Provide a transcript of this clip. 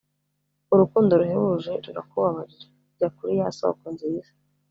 Urukundo ruhebuje rurakubabarira. Jya kuri ya soko nziza,